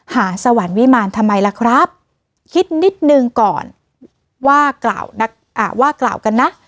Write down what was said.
สวรรค์วิมารทำไมล่ะครับคิดนิดนึงก่อนว่ากล่าวนักอ่าว่ากล่าวกันนะ